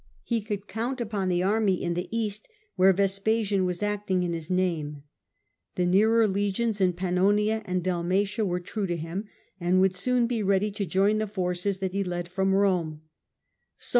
He could count upon the army in the East, where Vespasian was acting in his name. The nearer legions in Pannonia and Dalmatia were true to him, and would soon be ready Otho to join the forces that he led from Rome.